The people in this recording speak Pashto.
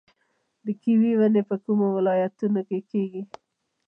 د کیوي ونې په کومو ولایتونو کې کیږي؟